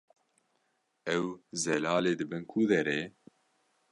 Ew, Zelalê dibin ku derê?